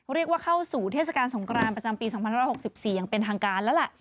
เรียกว่าเข้าสู่เทศกาลสงครานประจำปี๒๑๖๔อย่างเป็นทางการแล้วแหละ